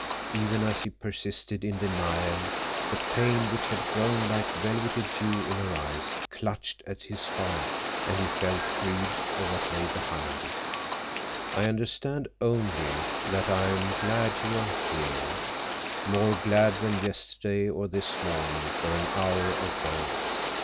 Even as he persisted in denial, the pain which had grown like velvety dew in her eyes clutched at his heart, and he felt dread of what lay behind it. "I understand—only—that I am glad you are here, more glad than yesterday, or this morning, or an hour ago."